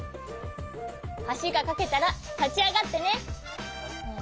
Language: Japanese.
はしがかけたらたちあがってね。